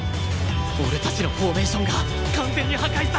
俺たちのフォーメーションが完全に破壊された！